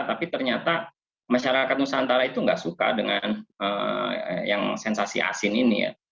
tapi ternyata masyarakat nusantara itu nggak suka dengan yang sensasi asin ini ya